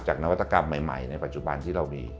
นวัตกรรมใหม่ในปัจจุบันที่เรามี